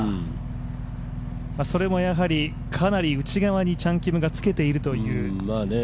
それもやはりかなり内側にチャン・キムがつけているという。